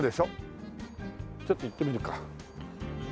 ちょっと行ってみるか。